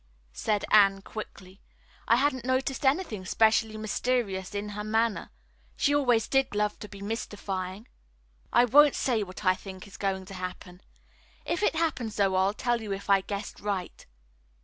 asked Anne quickly. "I hadn't noticed anything specially mysterious in her manner. She always did love to be mystifying." "I won't say what I think is going to happen. If it happens, though, I'll tell you if I guessed right."